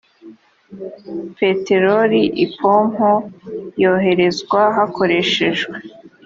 peteroli ipompo yoherezwa hakoreshejwe